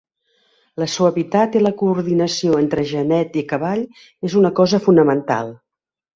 La suavitat i la coordinació entre genet i cavall és una cosa fonamental.